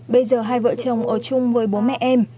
bây giờ hai vợ chồng ở chung với bố mẹ em